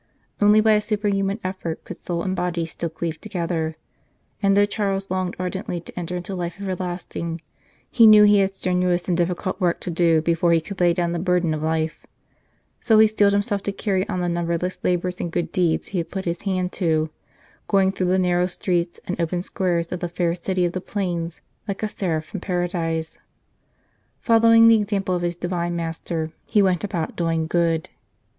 Only by a superhuman effort could soul and body still cleave together ; and though Charles longed ardently to enter into life everlasting, he knew he had strenuous and difficult work to do before he could lay down the burden of life, so he steeled himself to carry on the numberless labours and good deeds he had put his hand to, going through the narrow streets and open squares of the fair City of the Plains like a seraph from Paradise. Following the example of his Divine Master, he went about doing good.